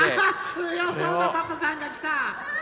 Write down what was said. つよそうなパパさんがきた！